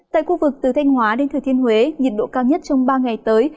tại khu vực từ thanh hóa đến thừa thiên huế nhiệt độ cao nhất trong ba ngày tới